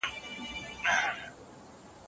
ابليس د عادي شيطانانو کار ته څه غبرګون ښيي؟